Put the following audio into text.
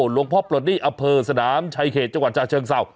หลวงพ่อปลดนี่อเภอสนามชายเขตจังหวัดจาเชิงเศร้า